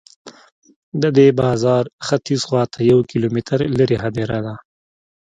د دې بازار ختیځ خواته یو کیلومتر لرې هدیره ده.